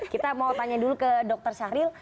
kita mau tanya dulu ke dr syahril